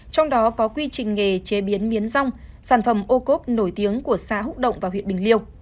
trong đó có quy trình nghề chế biến miến rong sản phẩm ô cốp nổi tiếng của xã hữu động và huyện bình liêu